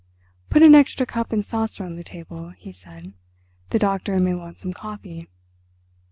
"Put an extra cup and saucer on the table," he said; "the doctor may want some coffee."